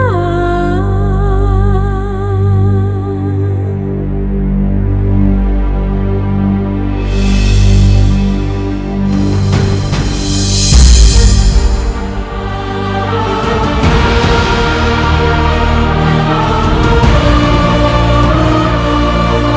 putraku raden olangsungsa